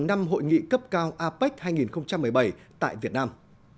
năm hội nghị cấp cao apec hai nghìn một mươi bảy tại việt nam